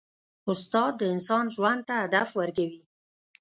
استاد د انسان ژوند ته هدف ورکوي.